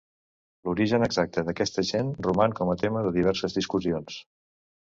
L'origen exacte d'aquesta gent roman com a tema de diverses discussions.